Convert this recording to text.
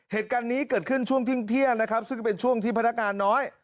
เหตุการณ์นี้เกิดขึ้นช่วงเที่ยงนะครับซึ่งเป็นช่วงที่พนักงานน้อย